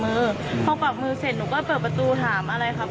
พี่สภัยลงมาดูว่าเกิดอะไรขึ้น